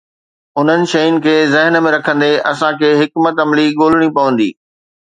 انهن شين کي ذهن ۾ رکندي، اسان کي حڪمت عملي ڳولڻي پوندي.